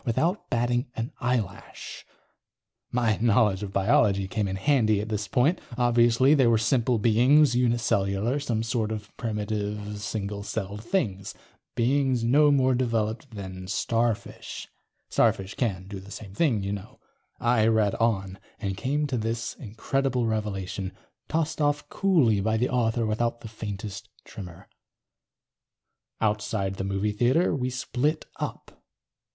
Without batting an eyelash. My knowledge of biology came in handy, at this point. Obviously they were simple beings, uni cellular, some sort of primitive single celled things. Beings no more developed than starfish. Starfish can do the same thing, you know. I read on. And came to this incredible revelation, tossed off coolly by the author without the faintest tremor: _... outside the movie theater we split up.